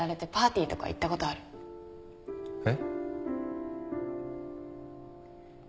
えっ？